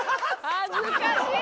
恥ずかしい！